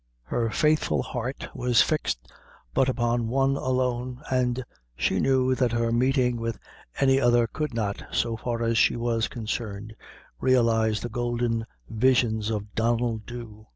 Her faithful heart was fixed but upon one alone, and she knew that her meeting with any other could not, so far as she was concerned, realize the golden visions of Donnel Dhu.